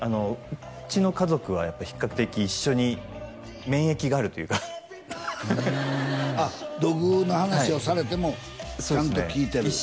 うちの家族は比較的一緒に免疫があるというかふん土偶の話をされてもちゃんと聞いてるそうですね